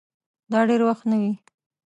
دا دېر وخت نه وې